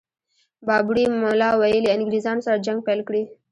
بابړي ملا ویلي انګرېزانو سره جنګ پيل کړي.